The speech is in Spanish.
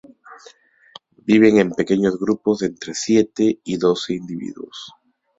Viven en pequeños grupos de entre siete y doce individuos.